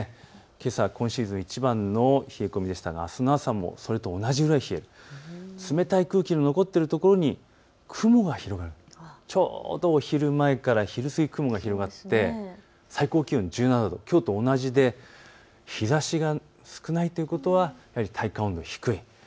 けさ今シーズンいちばんの冷え込みでしたがあすの朝もそれと同じぐらい冷える、冷たい空気の残っている所に雲が広がる、ちょうどお昼前から昼過ぎ、雲が広がって最高気温１７度、きょうと同じぐらいで日ざしが少ないということはやはり体感温度は低い。